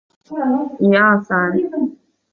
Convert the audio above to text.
也是唯一由在阪局制作的节目。